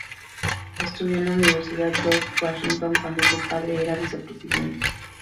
Estudió en la Universidad George Washington, cuando su padre era vicepresidente.